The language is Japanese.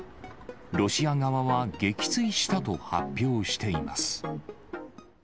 ロシア側は撃墜したと発表しています。